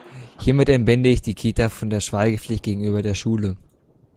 Hiermit entbinde ich die Kita von der Schweigepflicht gegenüber der Schule.